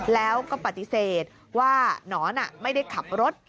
แล้วก็ปฏิเสธว่านอนไม่ได้ขับรถ